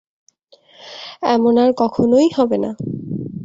এমন আর কখনোই হইবে না।